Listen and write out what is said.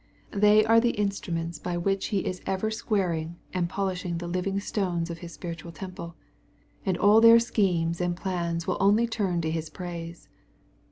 — They are the instruments by which He is ever squaring and polishing the living stones of His spiritual temple, and all their schemes and plans will only turn to His praise.